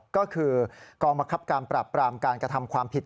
ก็คือกองบังคับการปราบปรามการกระทำความผิด